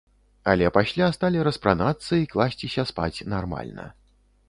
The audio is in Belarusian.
Але пасля сталі распранацца і класціся спаць нармальна.